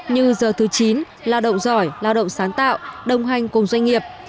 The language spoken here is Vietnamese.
như giờ thứ chín lao động giỏi lao động sáng tạo đồng hành cùng doanh nghiệp